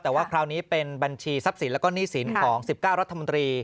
แต่ว่าคราวนี้เป็นบัญชีทรัพย์สินแล้วก็หนี้สินของ๑๙รัฐมนตรี